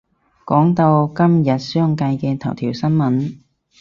講到今日商界嘅頭條新聞